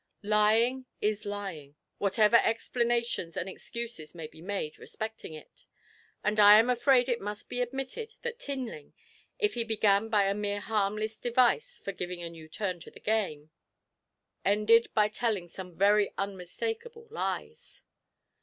Lying is lying, whatever explanations and excuses may be made respecting it, and I am afraid it must be admitted that Tinling, if he began by a mere harmless device for giving a new turn to the game, ended by telling some very unmistakable lies.